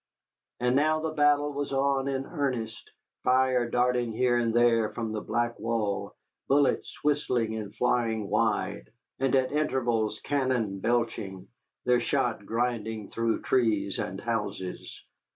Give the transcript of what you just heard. And now the battle was on in earnest, fire darting here and there from the black wall, bullets whistling and flying wide, and at intervals cannon belching, their shot grinding through trees and houses.